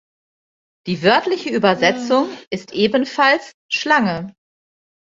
Die wörtliche Übersetzung ist ebenfalls „Schlange“.